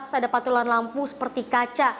terus ada patulan lampu seperti kaca